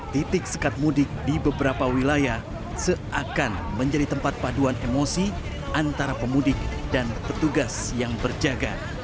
titik sekat mudik di beberapa wilayah seakan menjadi tempat paduan emosi antara pemudik dan petugas yang berjaga